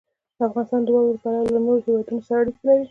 افغانستان د واورې له پلوه له هېوادونو سره اړیکې لري.